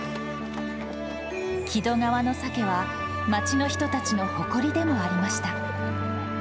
木戸川のサケは、町の人たちの誇りでもありました。